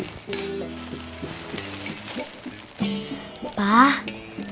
pak berbagi tuh ini umur saya